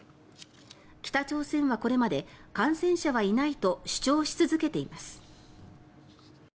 北朝鮮は、これまで感染者はいないと主張し続けています。